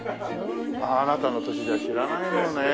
あなたの年じゃ知らないよねえ。